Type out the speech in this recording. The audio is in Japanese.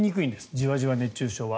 じわじわ熱中症は。